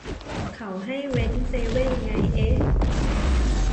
เขาให้เว้นเซเว่นไงเอ๊ะ